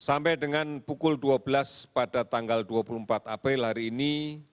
sampai dengan pukul dua belas pada tanggal dua puluh empat april hari ini